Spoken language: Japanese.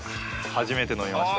初めて飲みました。